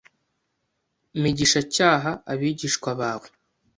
"Migisha cyaha abigishwa bawe.